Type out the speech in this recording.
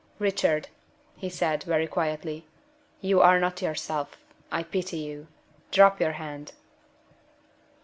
"Richard," he said, very quietly, "you are not yourself. I pity you. Drop your hand."